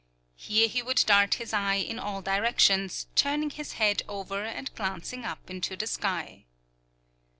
Here he would dart his eye in all directions, turning his head over and glancing up into the sky.